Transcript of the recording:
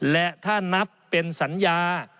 และถ้านับเป็นสัญญา